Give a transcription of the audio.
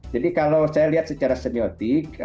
jadi kalau saya lihat secara semiotik